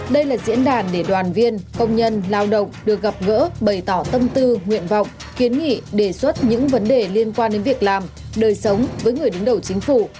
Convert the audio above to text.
đây là diễn đàn để đoàn viên công nhân lao động được gặp gỡ bày tỏ tâm tư nguyện vọng kiến nghị đề xuất những vấn đề liên quan đến việc làm đời sống với người đứng đầu chính phủ